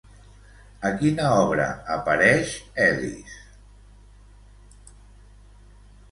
A quina obra apareix Elis?